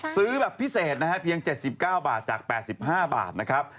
ซื้อแบบพิเศษนะฮะเพียง๗๙บาทจาก๘๕บาทนะครับ